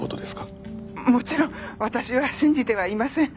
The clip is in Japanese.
もちろん私は信じてはいません。